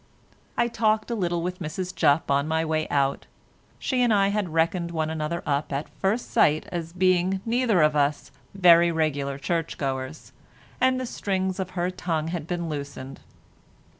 I talked a little with Mrs Jupp on my way out. She and I had reckoned one another up at first sight as being neither of us "very regular church goers," and the strings of her tongue had been loosened.